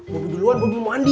mau pergi duluan belum mau mandi